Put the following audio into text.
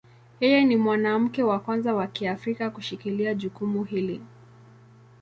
Yeye ni mwanamke wa kwanza wa Kiafrika kushikilia jukumu hili.